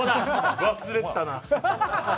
忘れてたな。